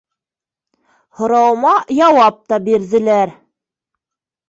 Һорауыма яуап та бирҙеләр.